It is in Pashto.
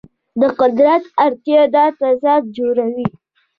د قدرت اړتیا دا تضاد جوړوي.